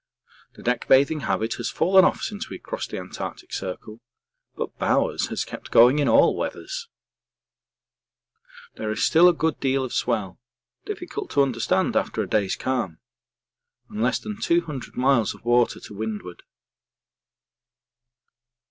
The deck bathing habit has fallen off since we crossed the Antarctic circle, but Bowers has kept going in all weathers. There is still a good deal of swell difficult to understand after a day's calm and less than 200 miles of water to wind ward.